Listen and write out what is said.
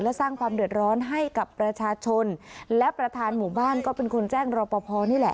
และสร้างความเดือดร้อนให้กับประชาชนและประธานหมู่บ้านก็เป็นคนแจ้งรอปภนี่แหละ